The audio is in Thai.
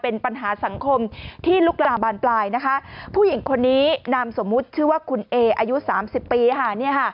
นามสมมุติชื่อว่าคุณเออายุ๓๐ปี